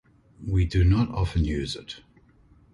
We do not often use it.